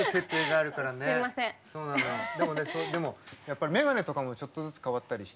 でもやっぱり眼鏡とかもちょっとずつ変わったりして。